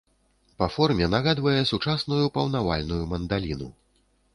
Па форме нагадвае сучасную паўавальную мандаліну.